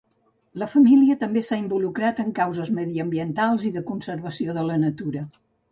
La família també s'ha involucrat en causes mediambientals i de conservació de la natura.